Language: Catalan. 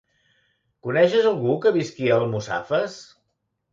Coneixes algú que visqui a Almussafes?